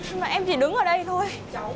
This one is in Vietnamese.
nhưng mà em chỉ đứng ở đây thôi